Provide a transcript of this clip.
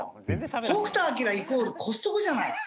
北斗晶イコールコストコじゃない！